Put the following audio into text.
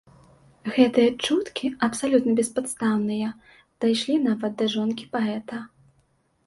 Гэтыя чуткі, абсалютна беспадстаўныя, дайшлі нават да жонкі паэта.